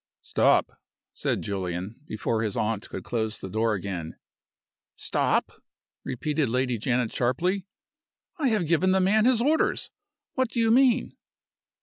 "Stop!" said Julian, before his aunt could close the door again. "Stop?" repeated Lady Janet, sharply. "I have given the man his orders. What do you mean?"